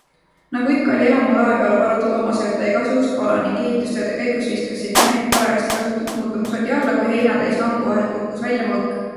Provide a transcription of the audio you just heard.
Nagu ikka, oli elamu lae peale varutud loomasööta ja igasugust kola ning ehitustööde käigus viskasid mehed parajasti kasutuks muutunud sodi alla, kui heina täis hangu vahelt kukkus välja mõõk.